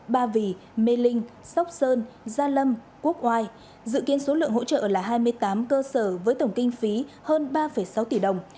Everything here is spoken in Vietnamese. ba vì mê linh sóc sơn gia lâm quốc oai dự kiến số lượng hỗ trợ là hai mươi tám cơ sở với tổng kinh phí hơn ba sáu tỷ đồng